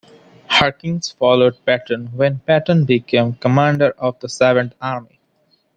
Harkins followed Patton when Patton became commander of the Seventh Army.